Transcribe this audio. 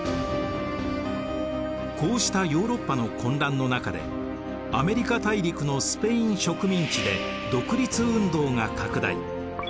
こうしたヨーロッパの混乱の中でアメリカ大陸のスペイン植民地で独立運動が拡大。